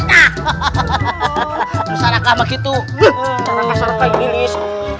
hahaha sarangkah begitu sarangkah sarangkah ini lilis